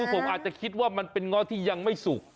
ผมอาจจะคิดว่ามันเป็นเงาะที่ยังไม่สุก